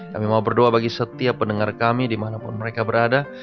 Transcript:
kami mau berdoa bagi setiap pendengar kami dimanapun mereka berada